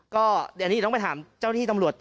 ก็เดี๋ยวนี่ต้องไปถามเจ้าที่ตำรวจต่อ